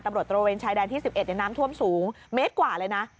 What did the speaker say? ตำรวจตรวจเวียนชายดานที่๑๑ในน้ำท่วมสูงเมตรกว่าเลยนะ